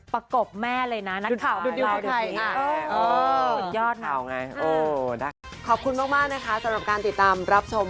ประกบแม่เลยนะนักข่าว